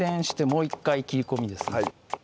もう１回切り込みです